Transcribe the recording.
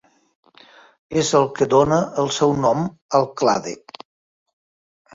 És el que dóna el seu nom al clade.